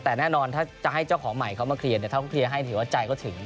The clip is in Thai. แต่แน่นอนถ้าจะให้เจ้าของใหม่เขามาเคลียร์ถ้าเขาเคลียร์ให้ถือว่าใจก็ถึง